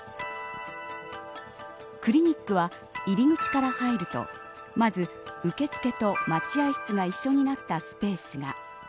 クリニックは、入り口から入るとまず、受付と待合室が一緒になったスペースが。